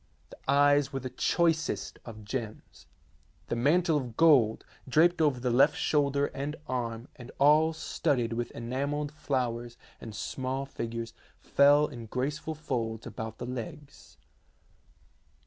The eyes were the choicest of gems. The mantle of gold, draped over the left shoulder and arm, and all studded with enamelled flowers and small figures, fell in graceful folds about the legs.